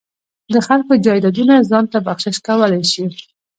د خلکو جایدادونه ځان ته بخشش کولای شي.